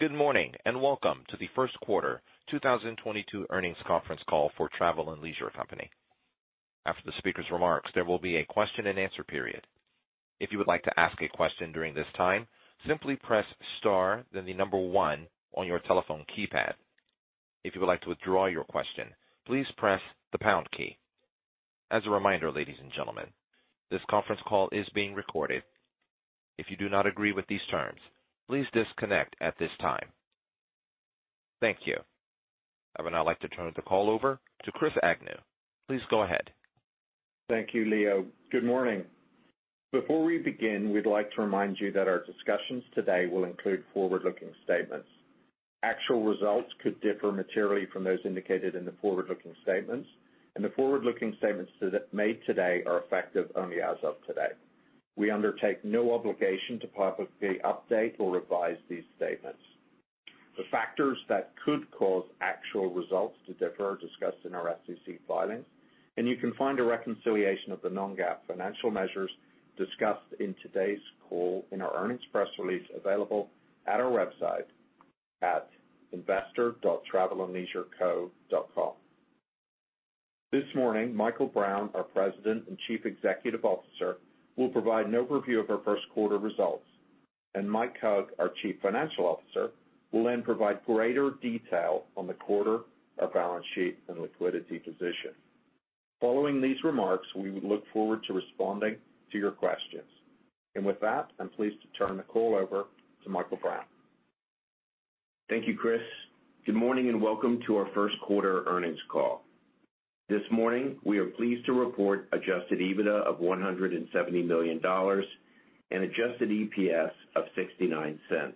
Good morning, and welcome to the Q1 2022 earnings conference call for Travel + Leisure Co. After the speaker's remarks, there will be a question-and-answer period. If you would like to ask a question during this time, simply press Star, then the number 1 on your telephone keypad. If you would like to withdraw your question, please press the pound key. As a reminder, ladies and gentlemen, this conference call is being recorded. If you do not agree with these terms, please disconnect at this time. Thank you. I would now like to turn the call over to Christopher Agnew. Please go ahead. Thank you, Leo. Good morning. Before we begin, we'd like to remind you that our discussions today will include forward-looking statements. Actual results could differ materially from those indicated in the forward-looking statements, and the forward-looking statements made today are effective only as of today. We undertake no obligation to publicly update or revise these statements. The factors that could cause actual results to differ are discussed in our SEC filings, and you can find a reconciliation of the non-GAAP financial measures discussed in today's call in our earnings press release available at our website at investor.travelandleisureco.com. This morning, Michael D. Brown, our President and Chief Executive Officer, will provide an overview of our Q1 results, and Mike Hug, our Chief Financial Officer, will then provide greater detail on the quarter, our balance sheet, and liquidity position. Following these remarks, we would look forward to responding to your questions. With that, I'm pleased to turn the call over to Michael Brown. Thank you, Chris Woronka. Good morning and welcome to our Q1 earnings call. This morning, we are pleased to report adjusted EBITDA of $170 million and adjusted EPS of $0.69.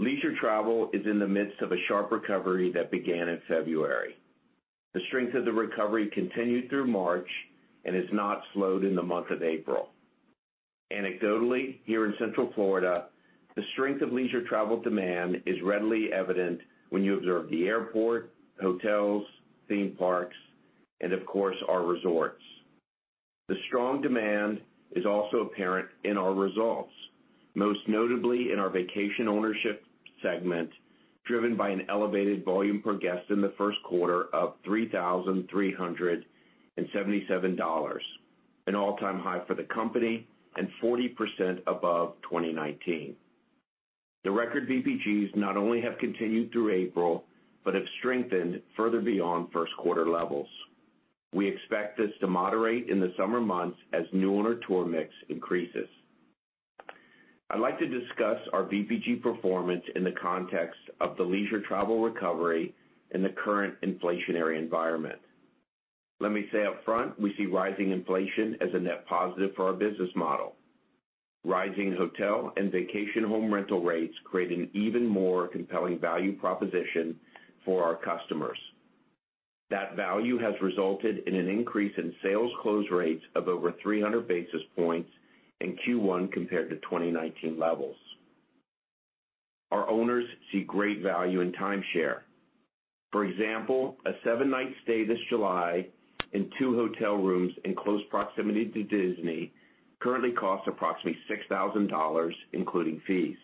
Leisure travel is in the midst of a sharp recovery that began in February. The strength of the recovery continued through March and has not slowed in the month of April. Anecdotally, here in Central Florida, the strength of leisure travel demand is readily evident when you observe the airport, hotels, theme parks, and of course, our resorts. The strong demand is also apparent in our results, most notably in our Vacation Ownership segment, driven by an elevated volume per guest in the Q1 of $3,377, an all-time high for the company and 40% above 2019. The record VPGs not only have continued through April but have strengthened further beyond Q1 levels. We expect this to moderate in the summer months as new owner tour mix increases. I'd like to discuss our VPG performance in the context of the leisure travel recovery in the current inflationary environment. Let me say up front, we see rising inflation as a net positive for our business model. Rising hotel and vacation home rental rates create an even more compelling value proposition for our customers. That value has resulted in an increase in sales close rates of over 300 basis points in Q1 compared to 2019 levels. Our owners see great value in timeshare. For example, a 7-night stay this July in 2 hotel rooms in close proximity to Disney currently costs approximately $6,000, including fees.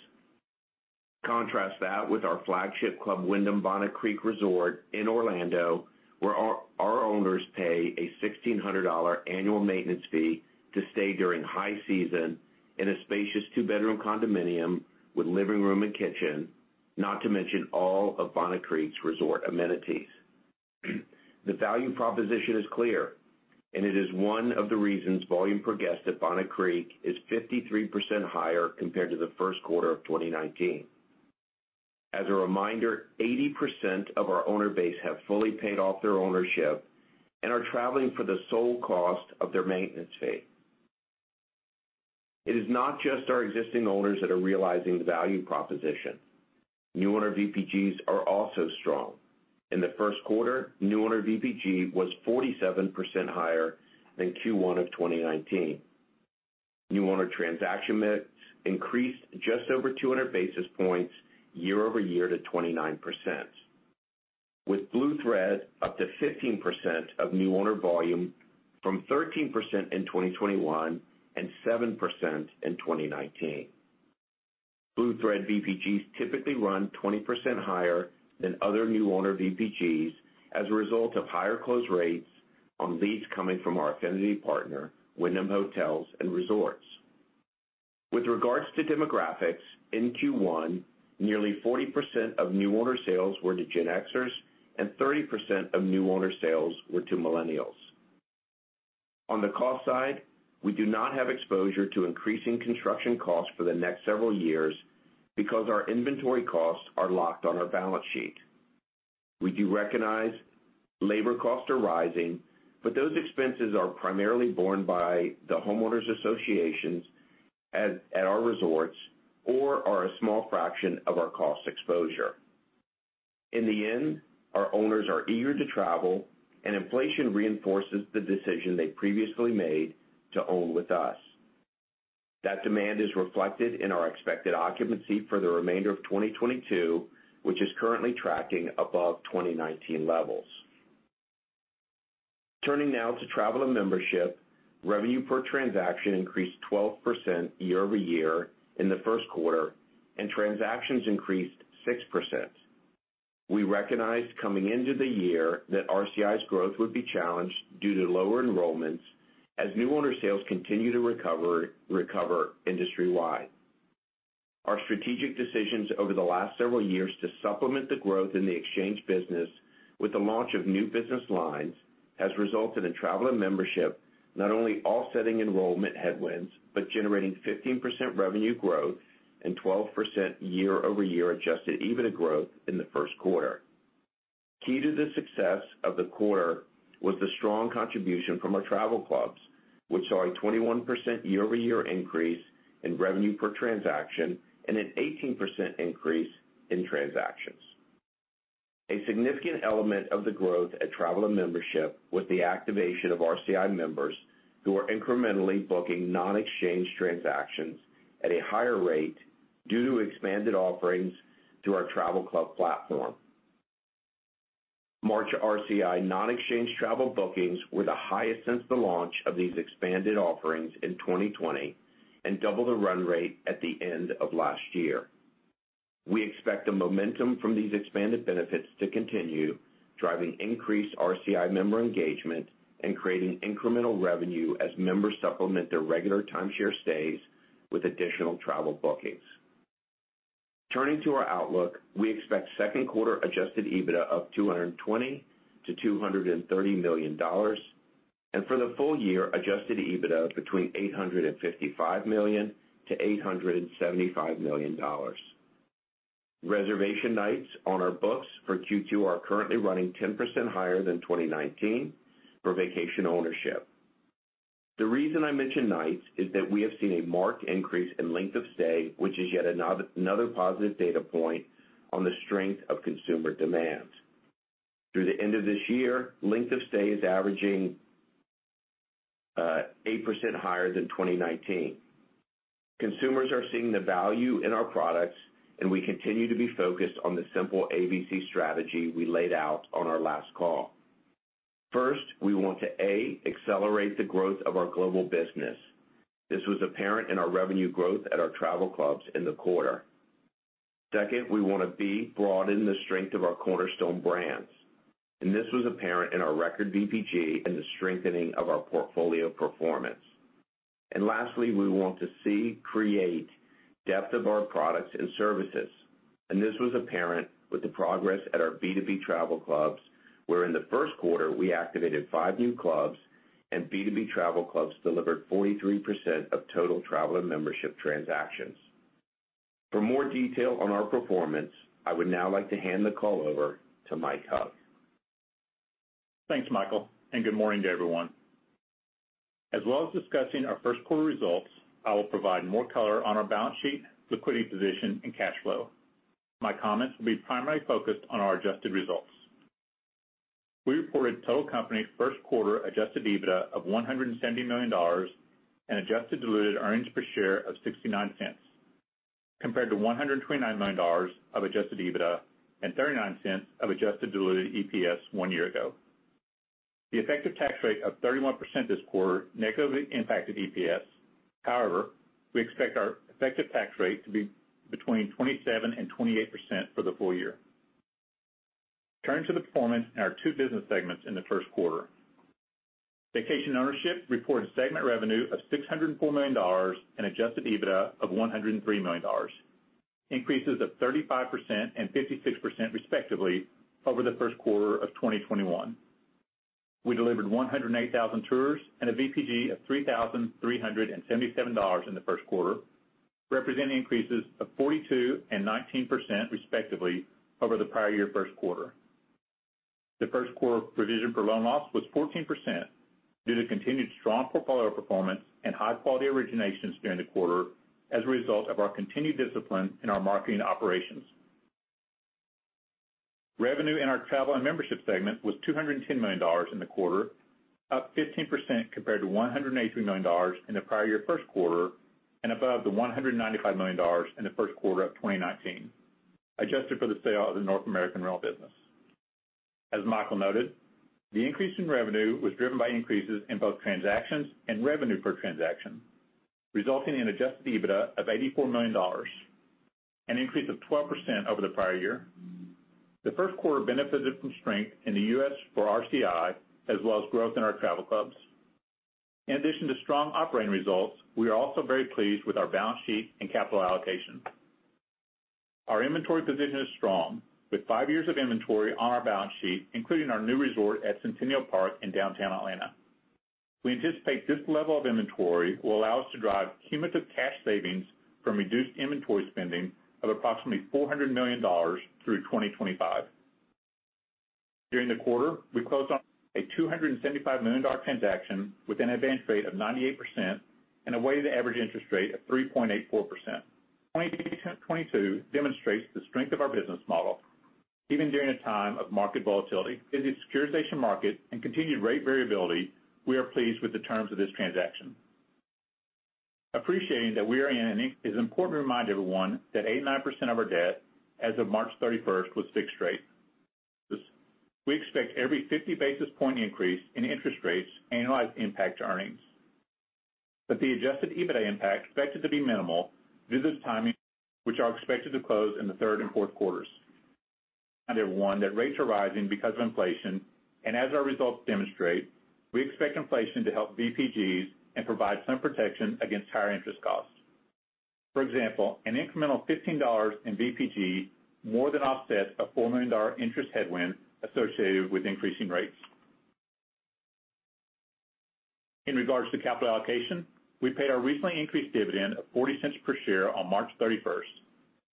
Contrast that with our flagship Club Wyndham Bonnet Creek Resort in Orlando, where our owners pay a $1,600 annual maintenance fee to stay during high season in a spacious 2-bedroom condominium with living room and kitchen, not to mention all of Bonnet Creek's resort amenities. The value proposition is clear, and it is 1 of the reasons volume per guest at Bonnet Creek is 53% higher compared to the Q1 of 2019. As a reminder, 80% of our owner base have fully paid off their ownership and are traveling for the sole cost of their maintenance fee. It is not just our existing owners that are realizing the value proposition. New owner VPGs are also strong. In the Q1, new owner VPG was 47% higher than Q1 of 2019. New owner transaction mix increased just over 200 basis points year-over-year to 29%, with Blue Thread up to 15% of new owner volume from 13% in 2021 and 7% in 2019. Blue Thread VPGs typically run 20% higher than other new owner VPGs as a result of higher close rates on leads coming from our affinity partner, Wyndham Hotels & Resorts. With regards to demographics, in Q1, nearly 40% of new owner sales were to Gen Xers and 30% of new owner sales were to millennials. On the cost side, we do not have exposure to increasing construction costs for the next several years because our inventory costs are locked on our balance sheet. We do recognize labour costs are rising, but those expenses are primarily borne by the homeowners associations at our resorts or are a small fraction of our cost exposure. In the end, our owners are eager to travel and inflation reinforces the decision they previously made to own with us. That demand is reflected in our expected occupancy for the remainder of 2022, which is currently tracking above 2019 levels. Turning now to Travel and Membership. Revenue per transaction increased 12% year-over-year in the Q1 and transactions increased 6%. We recognized coming into the year that RCI's growth would be challenged due to lower enrollments as new owner sales continue to recover industry-wide. Our strategic decisions over the last several years to supplement the growth in the exchange business with the launch of new business lines has resulted in Travel and Membership, not only offsetting enrollment headwinds but generating 15% revenue growth and 12% year-over-year adjusted EBITDA growth in the Q1. Key to the success of the quarter was the strong contribution from our travel clubs, which saw a 21% year-over-year increase in revenue per transaction and an 18% increase in transactions. A significant element of the growth at Travel and Membership was the activation of RCI members who are incrementally booking non-exchange transactions at a higher rate due to expanded offerings through our travel club platform. March RCI non-exchange travel bookings were the highest since the launch of these expanded offerings in 2020 and double the run rate at the end of last year. We expect the momentum from these expanded benefits to continue driving increased RCI member engagement and creating incremental revenue as members supplement their regular timeshare stays with additional travel bookings. Turning to our outlook, we expect Q2 adjusted EBITDA of $220 million-$230 million, and for the full year adjusted EBITDA between $855 million-$875 million. Reservation nights on our books for Q2 are currently running 10% higher than 2019 for vacation ownership. The reason I mention nights is that we have seen a marked increase in length of stay which is yet another positive data point on the strength of consumer demand. Through the end of this year, length of stay is averaging 8% higher than 2019. Consumers are seeing the value in our products, and we continue to be focused on the simple ABC strategy we laid out on our last call. First, we want to A, accelerate the growth of our global business. This was apparent in our revenue growth at our travel clubs in the quarter. Second, we wanna, B, broaden the strength of our cornerstone brands, and this was apparent in our record VPG and the strengthening of our portfolio performance. Lastly, we want to C, create depth of our products and services. This was apparent with the progress at our B2B travel clubs, where in the Q1 we activated 5 new clubs and B2B travel clubs delivered 43% of total traveller membership transactions. For more detail on our performance, I would now like to hand the call over to Mike Hug. Thanks, Michael, and good morning to everyone. As well as discussing our Q1 results, I will provide more colour on our balance sheet, liquidity position and cash flow. My comments will be primarily focused on our adjusted results. We reported total company Q1 adjusted EBITDA of $170 million and adjusted diluted earnings per share of 69 cents, compared to $129 million of adjusted EBITDA and 39 cents of adjusted diluted EPS 1 year ago. The effective tax rate of 31% this quarter negatively impacted EPS. However, we expect our effective tax rate to be between 27%-28% for the full year. Turning to the performance in our 2 business segments in the Q1. Vacation Ownership reported segment revenue of $604 million and an adjusted EBITDA of $103 million, increases of 35% and 56%, respectively, over the Q1 of 2021. We delivered 108,000 tours and a VPG of $3,377 in the Q1, representing increases of 42% and 19%, respectively, over the prior year Q1. The Q1 provision for loan loss was 14% due to continued strong portfolio performance and high quality originations during the quarter as a result of our continued discipline in our marketing operations. Revenue in our Travel and Membership segment was $210 million in the quarter, up 15% compared to $183 million in the prior year Q1, and above the $195 million in the Q1 of 2019. Adjusted for the sale of the North American vacation rental business. As Michael noted, the increase in revenue was driven by increases in both transactions and revenue per transaction, resulting in adjusted EBITDA of $84 million, an increase of 12% over the prior year. The Q1 benefited from strength in the U.S. for RCI as well as growth in our travel clubs. In addition to strong operating results, we are also very pleased with our balance sheet and capital allocation. Our inventory position is strong with 5 years of inventory on our balance sheet, including our new resort at Centennial Park in downtown Atlanta. We anticipate this level of inventory will allow us to drive cumulative cash savings from reduced inventory spending of approximately $400 million through 2025. During the quarter, we closed on a $275 million transaction with an advance rate of 98% and a weighted average interest rate of 3.84%. 2022 demonstrates the strength of our business model even during a time of market volatility in the securitization market and continued rate variability. We are pleased with the terms of this transaction. It's important to remind everyone that 89% of our debt as of March 31st was fixed rate. We expect every 50 basis points increase in interest rates annualized impact to earnings. The adjusted EBITDA impact expected to be minimal due to the timing which are expected to close in the Q3 and Q4. We know that rates are rising because of inflation, and as our results demonstrate, we expect inflation to help VPGs and provide some protection against higher interest costs. For example, an incremental $15 in VPG more than offsets a $4 million interest headwind associated with increasing rates. In regards to capital allocation, we paid our recently increased dividend of $0.40 per share on March 31,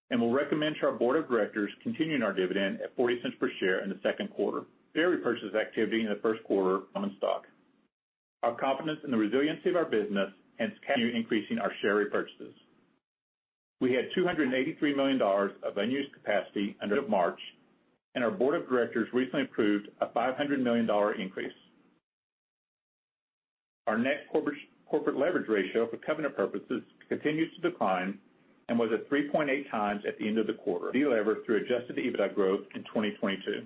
and we'll recommend to our board of directors continuing our dividend at $0.40 per share in the Q2. Share repurchase activity in the Q1 on the stock. Our confidence in the resiliency of our business has continued increasing our share repurchases. We had $283 million of unused capacity under our revolver, and our board of directors recently approved a $500 million increase. Our net corporate leverage ratio for covenant purposes continues to decline and was at 3.8 times at the end of the quarter. Delever through adjusted EBITDA growth in 2022.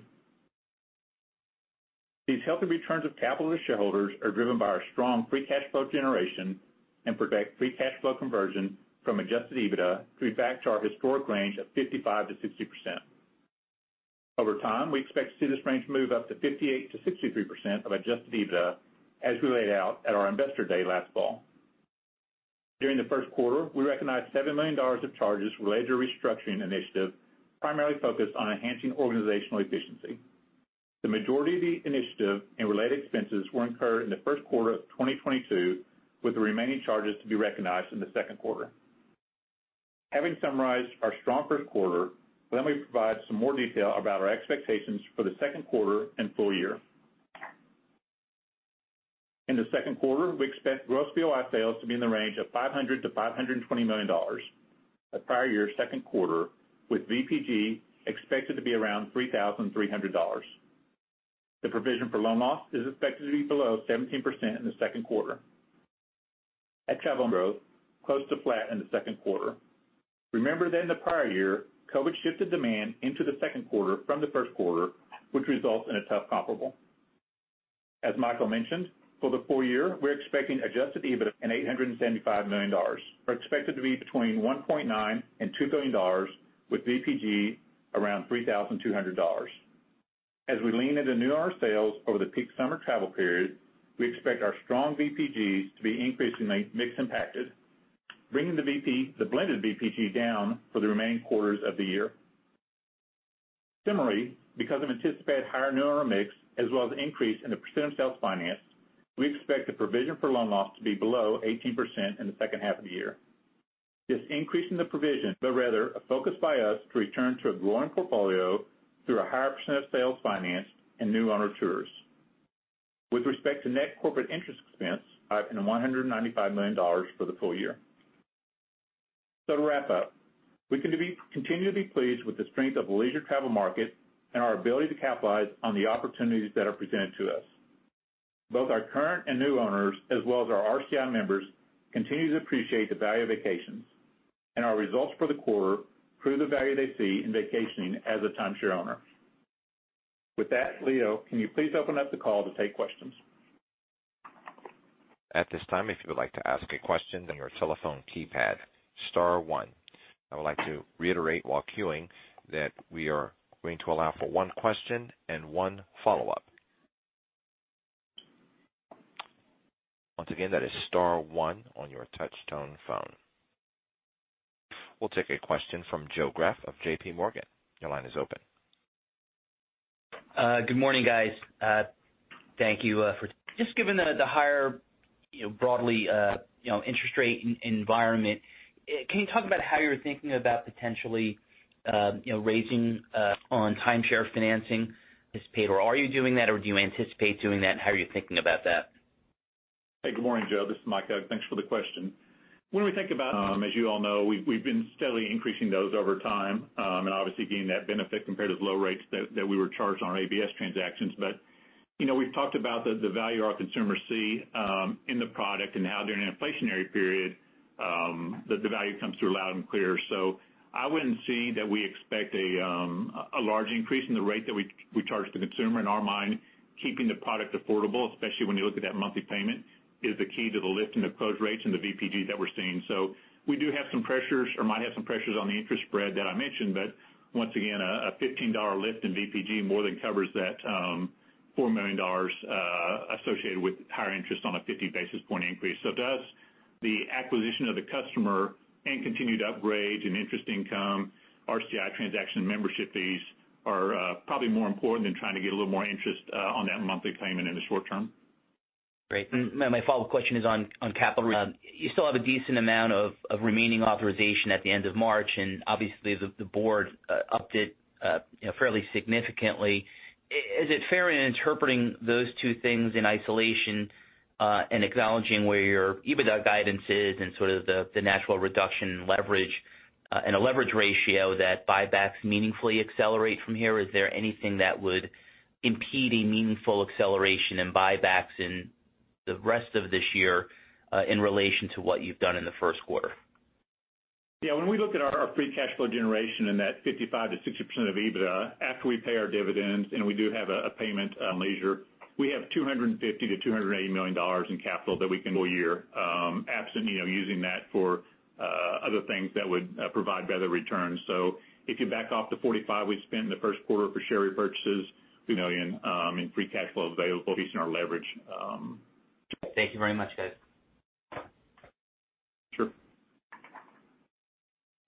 These healthy returns of capital to shareholders are driven by our strong free cash flow generation and project free cash flow conversion from adjusted EBITDA to be back to our historic range of 55%-60%. Over time, we expect to see this range move up to 58%-63% of adjusted EBITDA as we laid out at our Investor Day last fall. During the Q1, we recognized $7 million of charges related to restructuring initiative, primarily focused on enhancing organizational efficiency. The majority of the initiative and related expenses were incurred in the Q1 of 2022, with the remaining charges to be recognized in the Q2. Having summarized our strong Q1, let me provide some more detail about our expectations for the Q2 and full year. In the Q2, we expect gross POI sales to be in the range of $500-$520 million. The prior year's Q2, with VPG expected to be around $3,300. The provision for loan loss is expected to be below 17% in the Q2. At Travel + Leisure growth, close to flat in the Q2. Remember that in the prior year, COVID shifted demand into the Q2 from the Q1, which results in a tough comparable. As Michael mentioned, for the full year, we're expecting adjusted EBITDA of $875 million. We're expected to be between $1.9 billion and $2 billion, with VPG around $3,200. As we lean into new owner sales over the peak summer travel period, we expect our strong VPGs to be increasingly mix impacted, bringing the blended VPG down for the remaining quarters of the year. Similarly, because of anticipated higher new owner mix as well as increase in the percent of sales financed, we expect the provision for loan loss to be below 18% in the H2 of the year. This is not an increase in the provision, but rather a focus by us to return to a growing portfolio through a higher percent of sales financed and new owner tours. With respect to net corporate interest expense in $195 million for the full year. To wrap up, we continue to be pleased with the strength of the leisure travel market and our ability to capitalize on the opportunities that are presented to us. Both our current and new owners, as well as our RCI members, continue to appreciate the value of vacations, and our results for the quarter prove the value they see in vacationing as a timeshare owner. With that, Leo, can you please open up the call to take questions? At this time, if you would like to ask a question, then your telephone keypad star 1. I would like to reiterate while queuing that we are going to allow for 1 question and 1 follow-up. Once again, that is star 1 on your touchtone phone. We'll take a question from Joe Greff of J.P. Morgan. Your line is open. Good morning, guys. Thank you. Given the higher, you know, broader interest rate environment, can you talk about how you're thinking about potentially, you know, raising rates on timeshare financing, or are you doing that, or do you anticipate doing that? How are you thinking about that? Hey, good morning, Joe. This is Mike Hug. Thanks for the question. When we think about, as you all know, we've been steadily increasing those over time, and obviously gaining that benefit compared with low rates that we were charged on our ABS transactions. You know, we've talked about the value our consumers see in the product and how they're in an inflationary period that the value comes through loud and clear. I wouldn't see that we expect a large increase in the rate that we charge the consumer. In our mind, keeping the product affordable, especially when you look at that monthly payment, is the key to the lift and the close rates and the VPG that we're seeing. We do have some pressures or might have some pressures on the interest spread that I mentioned. Once again, a $15 lift in VPG more than covers that $4 million associated with higher interest on a 50 basis point increase. To us, the acquisition of the customer and continued upgrades and interest income, RCI transaction membership fees are probably more important than trying to get a little more interest on that monthly payment in the short term. Great. My follow-up question is on capital. You still have a decent amount of remaining authorization at the end of March, and obviously the board upped it, you know, fairly significantly. Is it fair in interpreting those 2 things in isolation, and acknowledging where your EBITDA guidance is and sort of the natural reduction in leverage? a leverage ratio that buybacks meaningfully accelerate from here. Is there anything that would impede a meaningful acceleration in buybacks in the rest of this year, in relation to what you've done in the Q1? Yeah. When we look at our free cash flow generation in that 55%-60% of EBITDA after we pay our dividends, and we do have a payment on leisure, we have $250 million-$280 million in capital that we can full year, absent you know using that for other things that would provide better returns. If you back off the $45 million we spent in the Q1 for share repurchases, $2 million in free cash flow available using our leverage. Thank you very much, guys. Sure.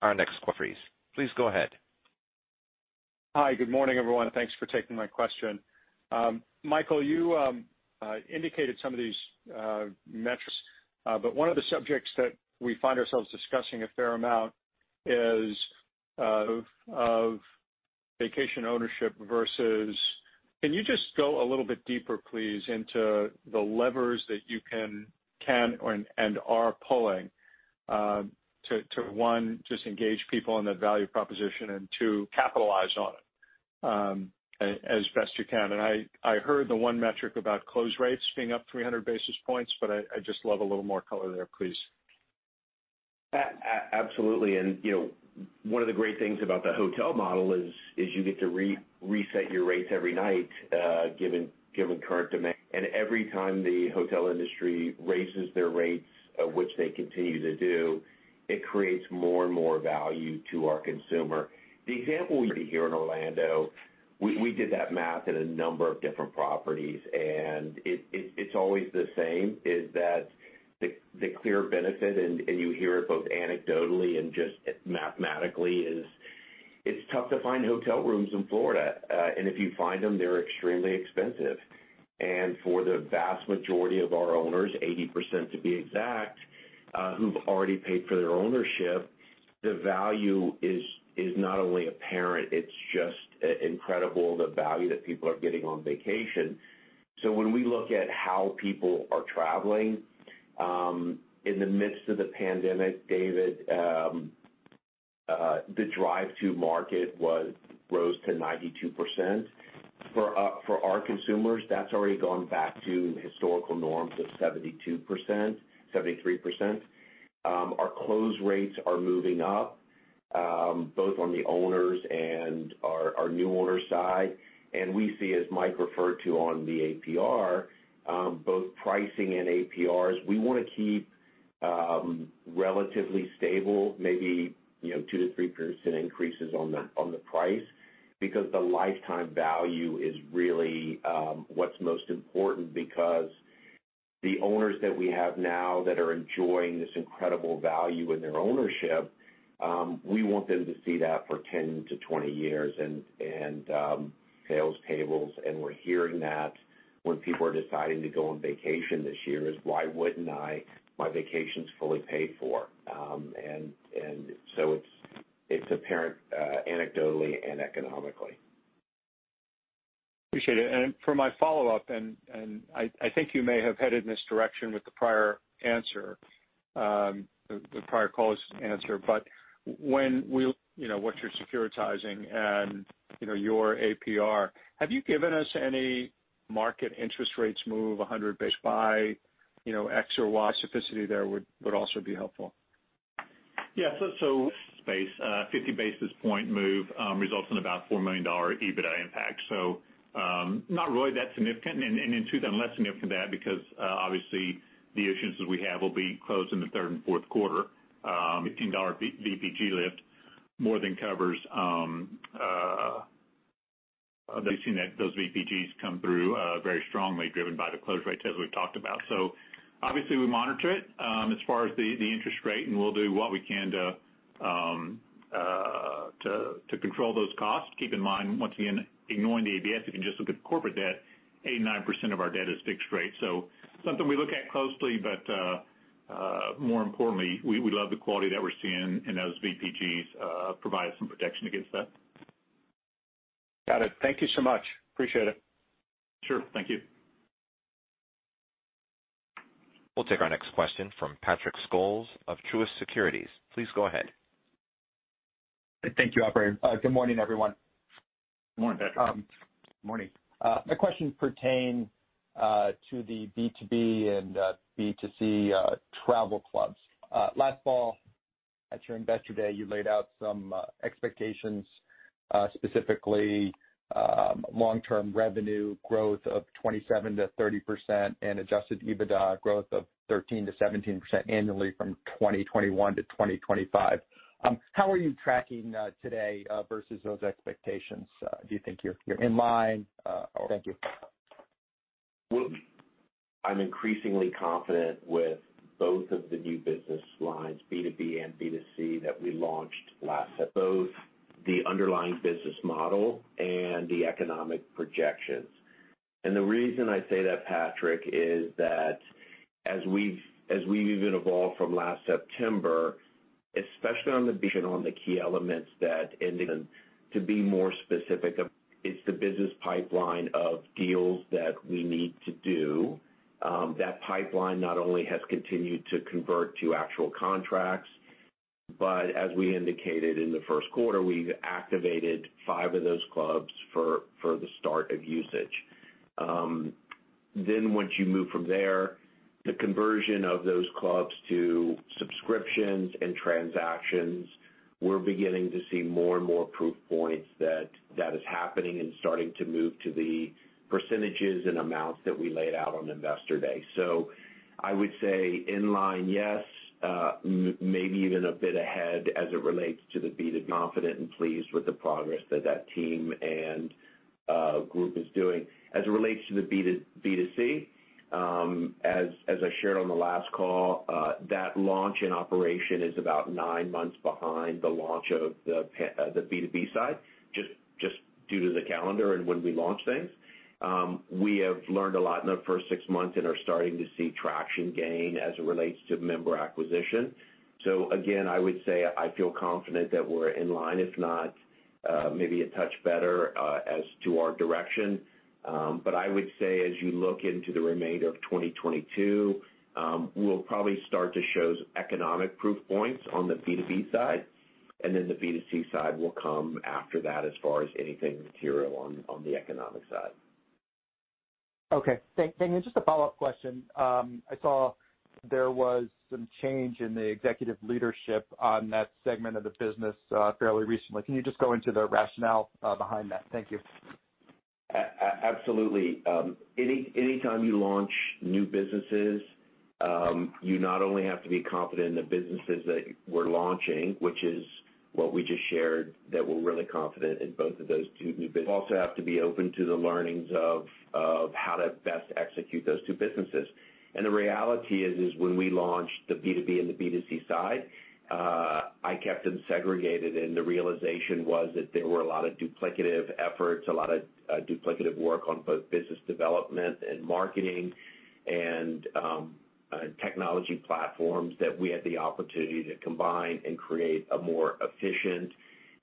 Our next call, please. Please go ahead. Hi. Good morning, everyone, and thanks for taking my question. Michael, you indicated some of these metrics, but 1 of the subjects that we find ourselves discussing a fair amount is of Vacation Ownership versus. Can you just go a little bit deeper, please, into the levers that you can and are pulling to one, just engage people in that value proposition and 2, capitalize on it, as best you can. I heard the 1 metric about close rates being up 300 basis points, but I'd just love a little more color there, please. Absolutely. You know, 1 of the great things about the hotel model is you get to reset your rates every night, given current demand. Every time the hotel industry raises their rates, of which they continue to do, it creates more and more value to our consumer. The example we hear in Orlando, we did that math in a number of different properties, and it's always the same, is that the clear benefit, and you hear it both anecdotally and just mathematically, is it's tough to find hotel rooms in Florida. If you find them, they're extremely expensive. For the vast majority of our owners, 80% to be exact, who've already paid for their ownership, the value is not only apparent, it's just incredible the value that people are getting on vacation. When we look at how people are traveling in the midst of the pandemic, David, the drive to market rose to 92%. For our consumers, that's already gone back to historical norms of 72%, 73%. Our close rates are moving up both on the owners and our new owner side. We see, as Mike referred to on the APR, both pricing and APRs, we wanna keep relatively stable, maybe, you know, 2%-3% increases on the price because the lifetime value is really what's most important because the owners that we have now that are enjoying this incredible value in their ownership, we want them to see that for 10-20 years and at sales tables, and we're hearing that when people are deciding to go on vacation this year is why wouldn't I? My vacation's fully paid for. So it's apparent anecdotally and economically. Appreciate it. For my follow-up, I think you may have headed in this direction with the prior answer, the prior call's answer, but you know, what you're securitizing and, you know, your APR, have you given us any market interest rates move 100 basis points by, you know, X or Y specificity there would also be helpful. Yeah. Spread 50 basis point move results in about $4 million EBITDA impact. Not really that significant and in truth less significant than that because obviously the issuance that we have will be closed in the Q3 and Q4. $15 VPG lift more than covers. We've seen that those VPGs come through very strongly driven by the close rates as we've talked about. Obviously we monitor it as far as the interest rate and we'll do what we can to control those costs. Keep in mind, once again, ignoring the ABS, if you just look at corporate debt, 89% of our debt is fixed rate. Something we look at closely, but more importantly, we love the quality that we're seeing, and those VPGs provide some protection against that. Got it. Thank you so much. Appreciate it. Sure. Thank you. We'll take our next question from Patrick Scholes of Truist Securities. Please go ahead. Thank you, operator. Good morning, everyone. Good morning, Patrick. Morning. My questions pertain to the B2B and B2C travel clubs. Last fall at your Investor Day, you laid out some expectations, specifically long-term revenue growth of 27%-30% and adjusted EBITDA growth of 13%-17% annually from 2021 to 2025. How are you tracking today versus those expectations? Do you think you're in line? Thank you. Well, I'm increasingly confident with both of the new business lines, B2B and B2C, that we launched last September. Both the underlying business model and the economic projections. The reason I say that, Patrick, is that as we've even evolved from last September, especially on the vision on the key elements that. To be more specific, it's the business pipeline of deals that we need to do. That pipeline not only has continued to convert to actual contracts. As we indicated in the Q1, we've activated 5 of those clubs for the start of usage. Once you move from there, the conversion of those clubs to subscriptions and transactions, we're beginning to see more and more proof points that is happening and starting to move to the percentages and amounts that we laid out on Investor Day. I would say in line, yes, maybe even a bit ahead as it relates to the B2B. Confident and pleased with the progress that team and group is doing. As it relates to the B2C, as I shared on the last call, that launch and operation is about 9 months behind the launch of the B2B side, just due to the calendar and when we launch things. We have learned a lot in the first 6 months and are starting to see gaining traction as it relates to member acquisition. Again, I would say I feel confident that we're in line, if not, maybe a touch better, as to our direction. I would say as you look into the remainder of 2022, we'll probably start to show economic proof points on the B2B side, and then the B2C side will come after that as far as anything material on the economic side. Okay. Thank you. Just a follow-up question. I saw there was some change in the executive leadership on that segment of the business, fairly recently. Can you just go into the rationale behind that? Thank you. Absolutely. Anytime you launch new businesses, you not only have to be confident in the businesses that we're launching, which is what we just shared, that we're really confident in both of those 2 new businesses. You also have to be open to the learnings of how to best execute those 2 businesses. The reality is, when we launched the B2B and the B2C side, I kept them segregated, and the realization was that there were a lot of duplicative efforts, a lot of duplicative work on both business development and marketing and technology platforms that we had the opportunity to combine and create a more efficient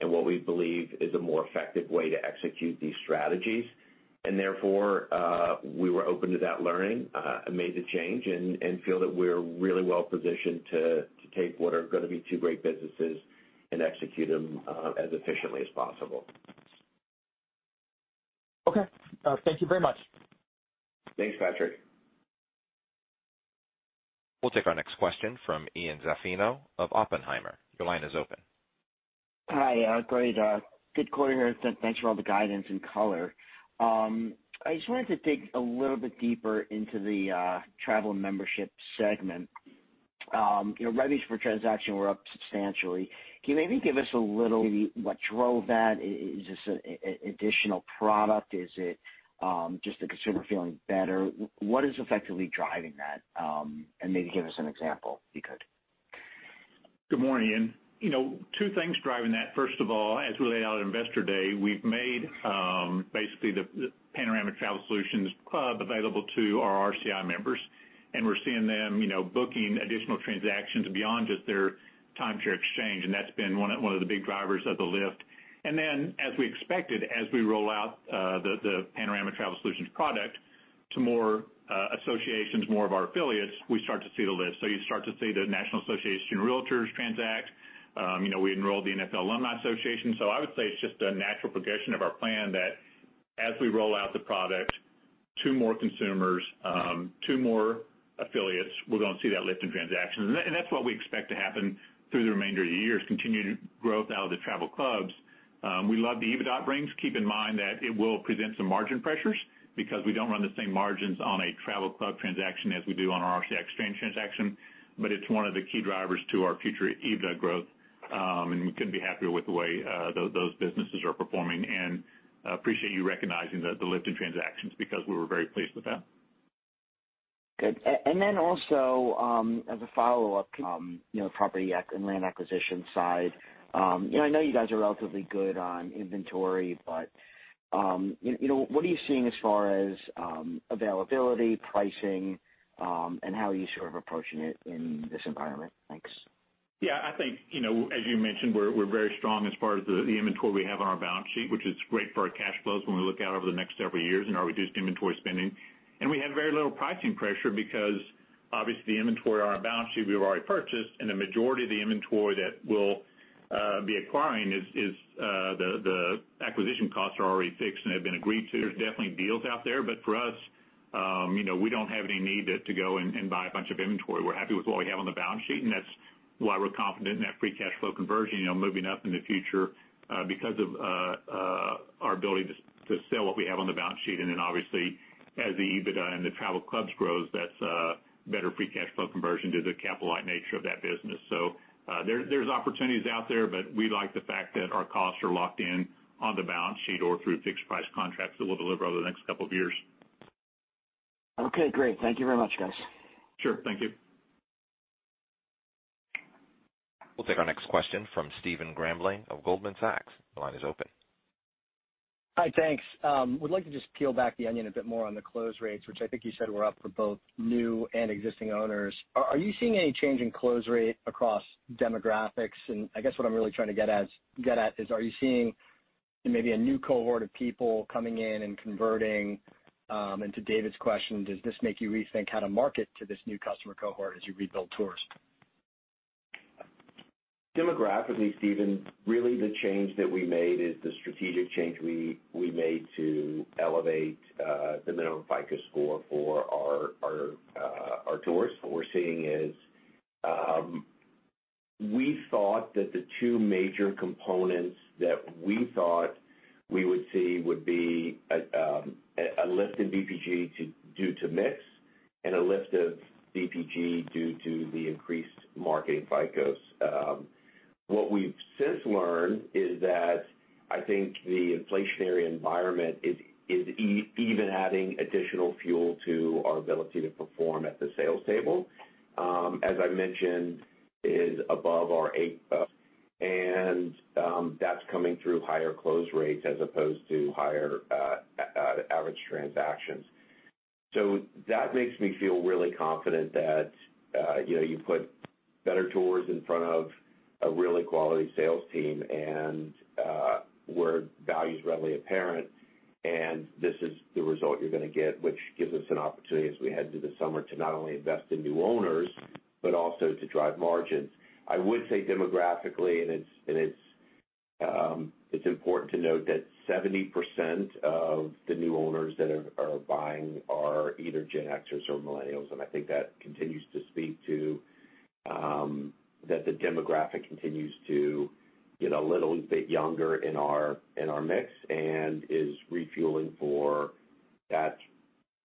and what we believe is a more effective way to execute these strategies. Therefore, we were open to that learning, and made the change and feel that we're really well positioned to take what are gonna be 2 great businesses and execute them, as efficiently as possible. Okay. Thank you very much. Thanks, Patrick. We'll take our next question from Ian Zaffino of Oppenheimer. Your line is open. Hi. Great. Good quarter here. Thanks for all the guidance and colour. I just wanted to dig a little bit deeper into the Travel and Membership segment. You know, revenues per transaction were up substantially. Can you maybe give us a little, maybe what drove that? Is this an additional product? Is it just the consumer feeling better? What is effectively driving that? Maybe give us an example, if you could. Good morning, Ian. You know, 2 things driving that. First of all, as we laid out at Investor Day, we've made basically the Panorama Travel Solutions Club available to our RCI members. We're seeing them, you know, booking additional transactions beyond just their timeshare exchange, and that's been 1 of the big drivers of the lift. As we expected, as we roll out the Panorama Travel Solutions product to more associations, more of our affiliates, we start to see the lift. You start to see the National Association of REALTORS transact. You know, we enrolled the NFL Alumni Association. I would say it's just a natural progression of our plan that as we roll out the product to more consumers, to more affiliates, we're gonna see that lift in transactions. That's what we expect to happen through the remainder of the year is continued growth out of the travel clubs. We love the EBITDA it brings. Keep in mind that it will present some margin pressures because we don't run the same margins on a travel club transaction as we do on our RCI exchange transaction, but it's 1 of the key drivers to our future EBITDA growth. We couldn't be happier with the way those businesses are performing. Appreciate you recognizing the lift in transactions because we were very pleased with that. Good. You know, property and land acquisition side, you know, I know you guys are relatively good on inventory, but, you know, what are you seeing as far as, availability, pricing, and how are you sort of approaching it in this environment? Thanks. Yeah, I think, you know, as you mentioned, we're very strong as far as the inventory we have on our balance sheet, which is great for our cash flows when we look out over the next several years in our reduced inventory spending. We have very little pricing pressure because obviously the inventory on our balance sheet we've already purchased, and the majority of the inventory that we'll be acquiring is the acquisition costs are already fixed and have been agreed to. There's definitely deals out there, but for us, you know, we don't have any need to go and buy a bunch of inventory. We're happy with what we have on the balance sheet, and that's why we're confident in that free cash flow conversion, you know, moving up in the future, because of our ability to sell what we have on the balance sheet. Then obviously as the EBITDA and the travel clubs grows, that's better free cash flow conversion due to the capital light nature of that business. There's opportunities out there, but we like the fact that our costs are locked in on the balance sheet or through fixed price contracts that we'll deliver over the next couple of years. Okay. Great. Thank you very much, guys. Sure. Thank you. We'll take our next question from Stephen Grambling of Goldman Sachs. Your line is open. Hi. Thanks. I would like to just peel back the onion a bit more on the close rates, which I think you said were up for both new and existing owners. Are you seeing any change in close rate across demographics? I guess what I'm really trying to get at is are you seeing maybe a new cohort of people coming in and converting, and to David's question, does this make you rethink how to market to this new customer cohort as you rebuild tours? Demographically, Stephen, really the change that we made is the strategic change we made to elevate the minimum FICO score for our tours. What we're seeing is, we thought that the 2 major components that we thought we would see would be a lifted VPG due to mix and a lift of VPG due to the increased marketing FICO. What we've since learned is that I think the inflationary environment is even adding additional fuel to our ability to perform at the sales table. As I mentioned, is above our APR and that's coming through higher close rates as opposed to higher average transactions. That makes me feel really confident that, you know, you put better tours in front of a really quality sales team and, where value is readily apparent, and this is the result you're gonna get, which gives us an opportunity as we head through the summer to not only invest in new owners, but also to drive margins. I would say demographically, and it's important to note that 70% of the new owners that are buying are either Gen Xers or millennials, and I think that continues to speak to that the demographic continues to get a little bit younger in our mix, and is refuelling for that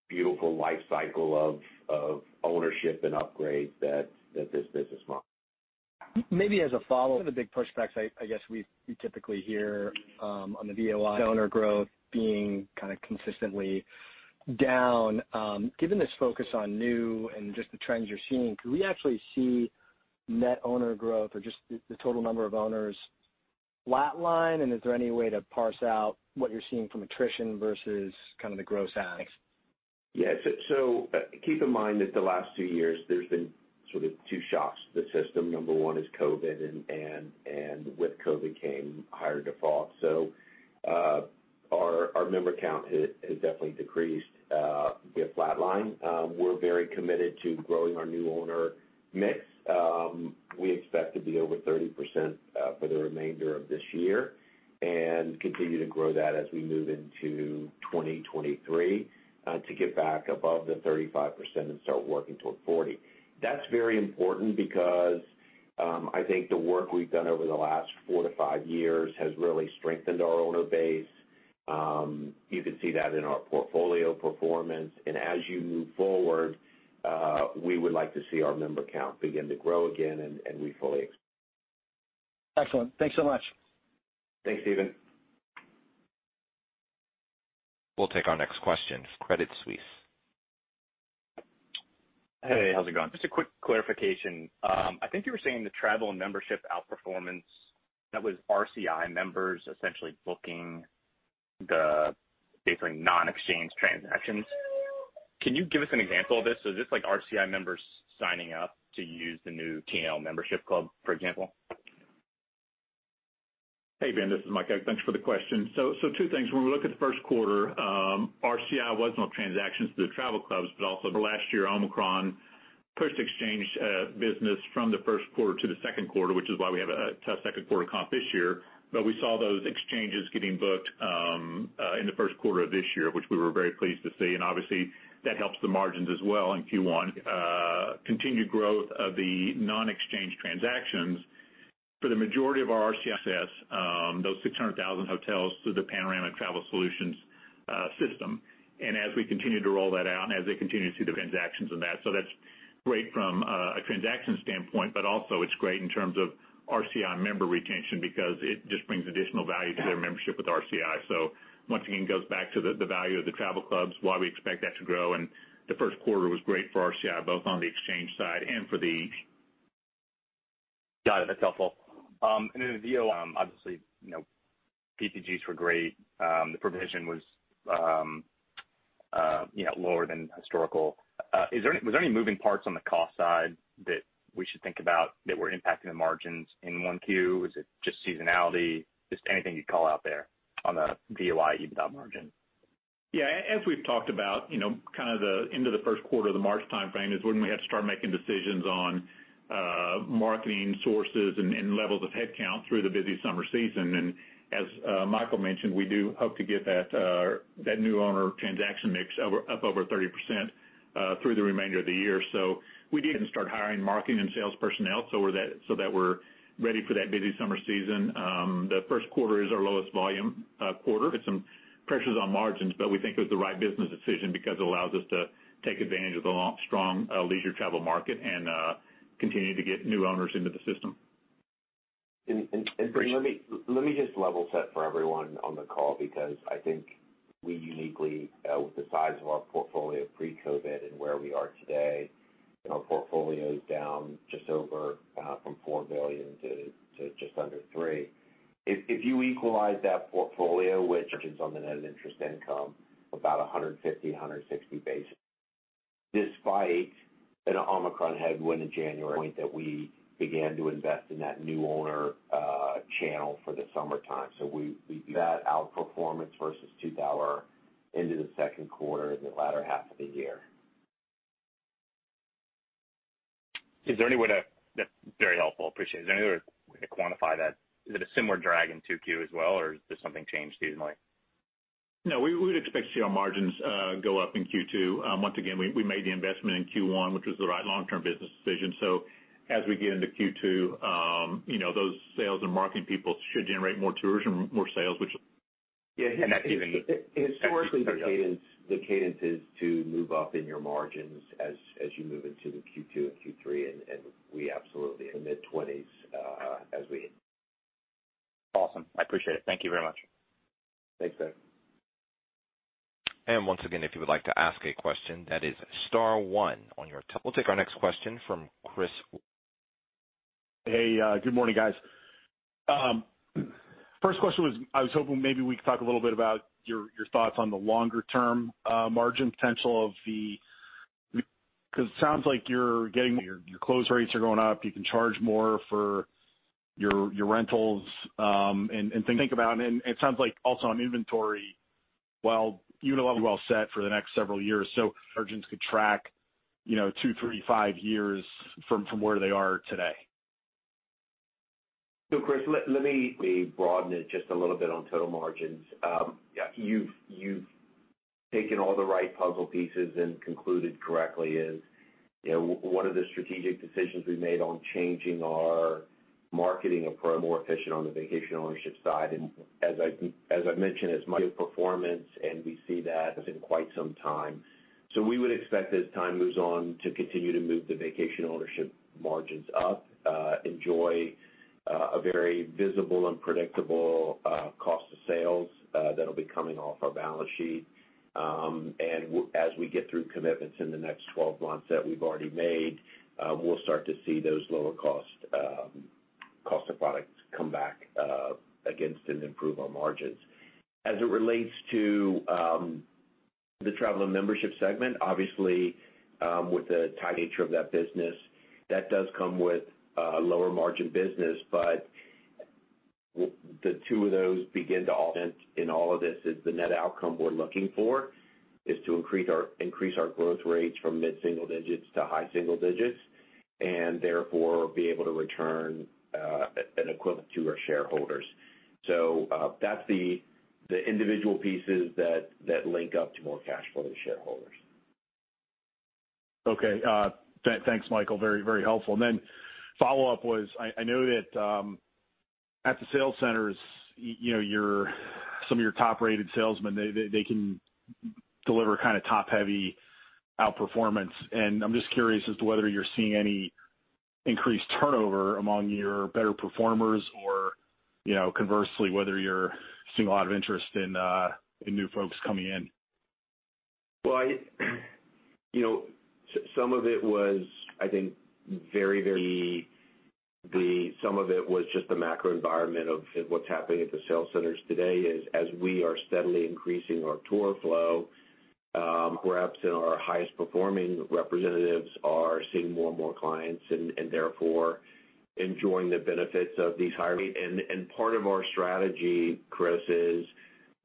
beautiful life cycle of ownership and upgrade that this business model. Maybe as a follow on the big pushbacks, I guess we typically hear on the VOI owner growth being kinda consistently down. Given this focus on new and just the trends you're seeing, could we actually see net owner growth or just the total number of owners flatline? Is there any way to parse out what you're seeing from attrition versus kind of the gross adds? Yes. Keep in mind that the last 2 years there's been sort of 2 shocks to the system. Number 1 is COVID and with COVID came higher defaults. Our member count has definitely decreased via flatline. We're very committed to growing our new owner mix. We expect to be over 30% for the remainder of this year and continue to grow that as we move into 2023 to get back above the 35% and start working toward 40%. That's very important because I think the work we've done over the last 4-5 years has really strengthened our owner base. You can see that in our portfolio performance. As you move forward, we would like to see our member count begin to grow again, and we fully- Excellent. Thanks so much. Thanks, Stephen. We'll take our next question, Credit Suisse. Hey, how's it going? Just a quick clarification. I think you were saying the travel membership outperformance, that was RCI members essentially booking the basically non-exchange transactions. Can you give us an example of this? Is this like RCI members signing up to use the new Travel + Leisure GO membership club, for example? Hey, Ben Chaiken, this is Mike. Thanks for the question. 2 things. When we look at the Q1, RCI had no transactions through travel clubs, but also last year, Omicron pushed exchange business from the Q1 to the Q2, which is why we have a tough Q2 comp this year. We saw those exchanges getting booked in the Q1 of this year, which we were very pleased to see. Obviously that helps the margins as well in Q1. Continued growth of the non-exchange transactions for the majority of our RCI access, those 600,000 hotels through the Panorama Travel Solutions system. As we continue to roll that out, as they continue to see the transactions in that. That's great from a transaction standpoint, but also it's great in terms of RCI member retention because it just brings additional value to their membership with RCI. Once again, goes back to the value of the travel clubs, why we expect that to grow. The Q1 was great for RCI, both on the exchange side and for the- Got it. That's helpful. Then the VO, obviously, you know, VPGs were great. The provision was, you know, lower than historical. Was there any moving parts on the cost side that we should think about that were impacting the margins in 1Q? Is it just seasonality? Just anything you'd call out there on the VOI EBITDA margin. Yeah. As we've talked about, you know, kind of the end of the Q1 the March timeframe is when we had to start making decisions on marketing sources and levels of headcount through the busy summer season. As Michael mentioned, we do hope to get that new owner transaction mix up over 30% through the remainder of the year. We didn't start hiring marketing and sales personnel so that we're ready for that busy summer season. The Q1 is our lowest volume quarter. It's some pressures on margins, but we think it was the right business decision because it allows us to take advantage of the long, strong leisure travel market and continue to get new owners into the system. Benjamin Chaiken, let me just level set for everyone on the call because I think we uniquely with the size of our portfolio pre-COVID and where we are today, and our portfolio is down just over from $4 billion to just under $3. If you equalize that portfolio, which is on the net interest income, about 150, 160 basis points. Despite an Omicron headwind in January that we began to invest in that new owner channel for the summertime. That outperformance versus $2 into the Q2 and the latter half of the year. That's very helpful, appreciate it. Is there any other way to quantify that? Is it a similar drag in 2Q as well, or does something change seasonally? No, we would expect to see our margins go up in Q2. Once again, we made the investment in Q1, which was the right long-term business decision. As we get into Q2, you know, those sales and marketing people should generate more tourism, more sales. Yeah. Historically, the cadence is to move up in your margins as you move into the Q2 and Q3, and we absolutely in the mid-20s%, as we Awesome. I appreciate it. Thank you very much. Thanks, Benjamin Chaiken. Once again, if you would like to ask a question, that is star 1 on your. We'll take our next question from Chris. Hey, good morning, guys. First question was, I was hoping maybe we could talk a little bit about your thoughts on the longer term margin potential of the. Because it sounds like you're getting your close rates are going up, you can charge more for your rentals, and it sounds like also on inventory, while you're well set for the next several years, so margins could track, you know, 2, 3, 5 years from where they are today. Chris, let me broaden it just a little bit on total margins. You've taken all the right puzzle pieces and concluded correctly, you know, 1 of the strategic decisions we made on changing our marketing approach more efficient on the Vacation Ownership side. As I mentioned, as much of performance, and we see that as in quite some time. We would expect as time moves on, to continue to move the Vacation Ownership margins up, enjoy a very visible and predictable cost of sales that'll be coming off our balance sheet. And as we get through commitments in the next 12 months that we've already made, we'll start to see those lower cost of products come back against and improve our margins. As it relates to the Travel and Membership segment, obviously, with the tight nature of that business, that does come with a lower margin business. The 2 of those begin to add up and, in all, this is the net outcome we're looking for, is to increase our growth rates from mid-single digits to high single digits, and therefore, be able to return an equivalent to our shareholders. That's the individual pieces that link up to more cash flow to shareholders. Thanks, Michael. Very, very helpful. Follow up was, I know that at the sales centers, you know, your some of your top-rated salesmen, they can deliver kinda top-heavy outperformance, and I'm just curious as to whether you're seeing any increased turnover among your better performers or, you know, conversely, whether you're seeing a lot of interest in new folks coming in. Well, some of it was, I think, some of it was just the macro environment of what's happening at the sales centers today is, as we are steadily increasing our tour flow, perhaps in our highest performing representatives are seeing more and more clients and therefore enjoying the benefits of these higher rate. Part of our strategy, Chris, is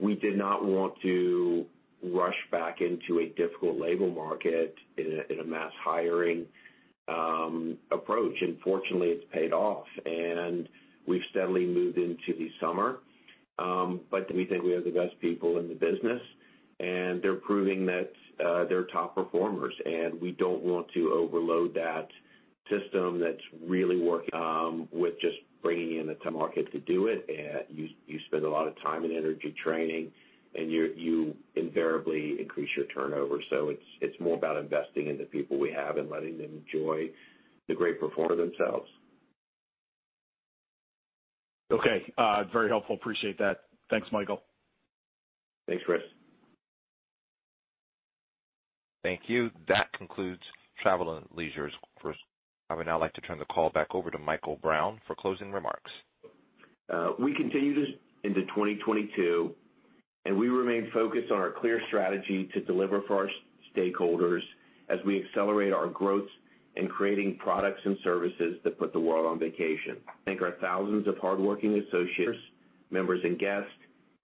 we did not want to rush back into a difficult labor market in a mass hiring approach. Fortunately, it's paid off. We've steadily moved into the summer. We think we have the best people in the business, and they're proving that they're top performers. We don't want to overload that system that's really working with just bringing in the market to do it. You spend a lot of time and energy training, and you invariably increase your turnover. It's more about investing in the people we have and letting them enjoy the great performer themselves. Okay. Very helpful. Appreciate that. Thanks, Michael. Thanks, Chris. Thank you. That concludes Travel + Leisure's. I would now like to turn the call back over to Michael Brown for closing remarks. We continue into 2022, and we remain focused on our clear strategy to deliver for our stakeholders as we accelerate our growth in creating products and services that put the world on vacation. Thanks to our thousands of hardworking associates, members and guests.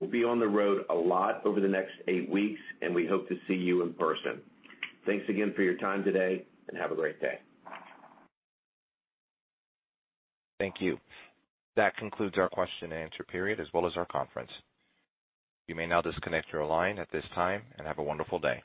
We'll be on the road a lot over the next 8 weeks, and we hope to see you in person. Thanks again for your time today, and have a great day. Thank you. That concludes our question and answer period, as well as our conference. You may now disconnect your line at this time, and have a wonderful day.